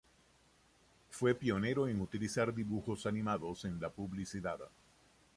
Fue pionero en utilizar dibujos animados en la publicidad.